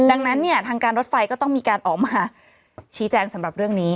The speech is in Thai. ดังนั้นเนี่ยทางการรถไฟก็ต้องมีการออกมาชี้แจงสำหรับเรื่องนี้